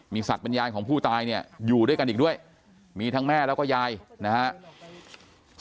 สัตว์บรรยายของผู้ตายเนี่ยอยู่ด้วยกันอีกด้วยมีทั้งแม่แล้วก็ยายนะครับ